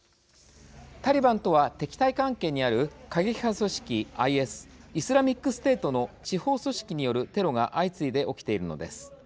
タリバンとは敵対関係にある過激派組織ＩＳ・イスラミックステートの地方組織によるテロが相次いで起きているのです。